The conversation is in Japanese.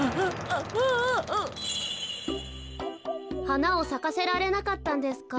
はなをさかせられなかったんですか。